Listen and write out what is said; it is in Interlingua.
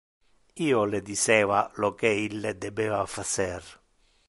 Io le diceva lo que ille debeva facer.